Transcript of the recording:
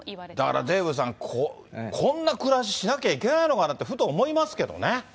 だからデーブさん、こんな暮らししなきゃいけないのかなって、ふと思いますけどね。